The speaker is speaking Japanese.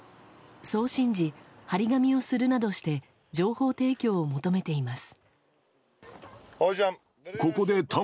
そう信じ、貼り紙をするなどして情報提供を求めています。